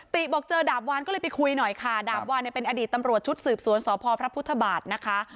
บอกเจอดาบวานก็เลยไปคุยหน่อยค่ะดาบวานเนี่ยเป็นอดีตตำรวจชุดสืบสวนสพพระพุทธบาทนะคะ